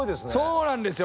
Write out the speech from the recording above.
そうなんですよ。